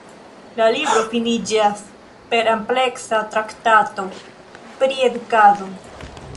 La libro finiĝas per ampleksa traktato pri edukado.